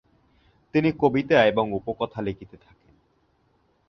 তিনি কবিতা এবং উপকথা লিখতে থাকেন।